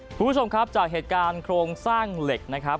คุณผู้ชมครับจากเหตุการณ์โครงสร้างเหล็กนะครับ